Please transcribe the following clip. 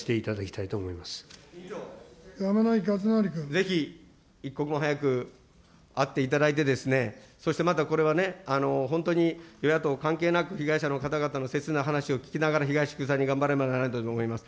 ぜひ一刻も早く会っていただいてですね、そしてまたこれはね、本当に与野党関係なく、被害者の方々のせつな話を聞きながら、被害者救済に頑張らなければならないと思います。